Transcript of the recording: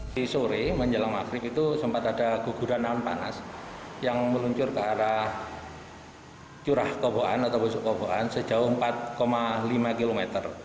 di sore menjelang maghrib itu sempat ada guguran awan panas yang meluncur ke arah curah koboan atau busuk koboan sejauh empat lima km